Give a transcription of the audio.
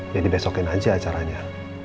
ya dibesokin aja acaranya